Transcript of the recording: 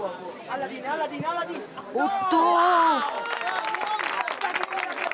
おっと！